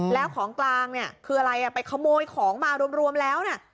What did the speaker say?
แล้วของกลางคืออะไรไปขโมยของมารวมแล้ว